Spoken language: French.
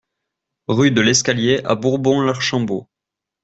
Rue de l'Escalier à Bourbon-l'Archambault